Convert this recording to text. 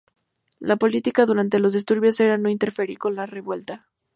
La política durante los disturbios era no interferir con la revuelta.